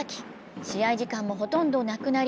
試合時間もほとんどなくなり